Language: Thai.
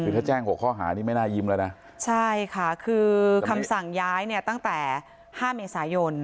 คือถ้าแจ้ง๖ข้อหานี่ไม่น่ายิ้มแล้วนะใช่ค่ะคือคำสั่งย้ายเนี่ยตั้งแต่ห้าเมษายน